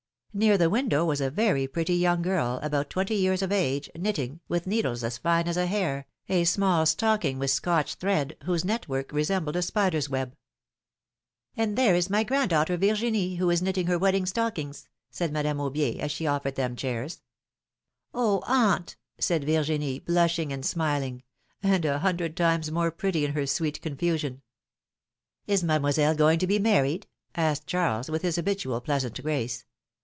Near the window was a very pretty young girl, about twenty years of age, knitting, with needles as fine as a hair, a small stocking wdth Scotch thread, whose net work resembled a spider's web. ^^And there is my goddaughter, Virginie, who is knit ting her wedding stockings," said Madame Aubier, as she offered them chairs. PniLOMilNE's MARRIAGES. 99 aunt!^^ said Virginie, blushing and smiling; and a hundred times more pretty in her sweet confusion. Is Mademoiselle going to be married asked Charles, with his habitual pleasant grace.